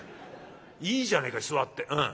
いいじゃねえか座って。